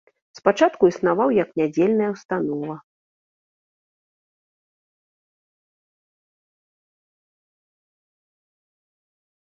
Спачатку існаваў як нядзельная ўстанова.